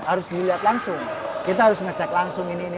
harus dilihat langsung kita harus ngecek langsung ini ini